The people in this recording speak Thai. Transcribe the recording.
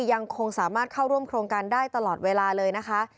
ยังคงสามารถเข้าร่วมโครงการได้ตลอดเวลาเลยนะคะ